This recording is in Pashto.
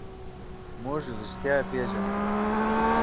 موږ رښتیا پېژنو.